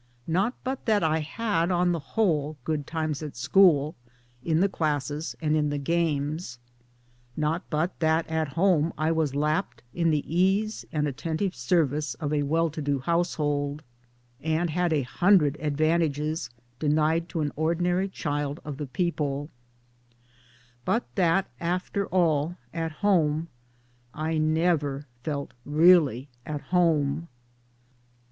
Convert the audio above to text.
Not but that I had on the whole good times at school, in the classes and in the games ; not but that at home I was lapped in the ease and attentive service of a well to do household, and had a hundred advant ages denied to an ordinary child of the people ; but that after all at home I never felt really at home.